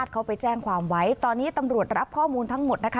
เขาไปแจ้งความไว้ตอนนี้ตำรวจรับข้อมูลทั้งหมดนะคะ